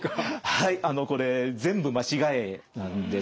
はいこれ全部間違いなんですね。